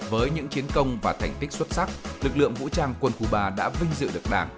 với những chiến công và thành tích xuất sắc lực lượng vũ trang quân khu ba đã vinh dự được đảng